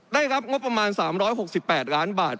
ได้รับงบประมาณ๓๖๘ล้านบาท